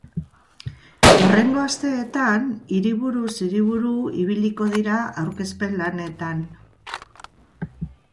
Hurrengo asteetan, hiriburuz hiriburu ibiliko dira aurkezpen lanetan.